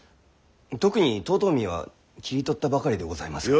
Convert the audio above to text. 特に遠江は切り取ったばかりでございますゆえ。